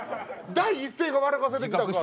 第一声が「笑かせてきたか？」